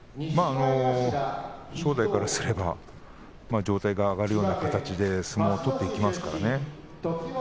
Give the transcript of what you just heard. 正代からすれば上体が上がるような形で相撲を取っていきますからね。